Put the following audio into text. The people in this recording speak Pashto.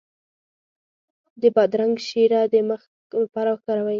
د بادرنګ شیره د مخ لپاره وکاروئ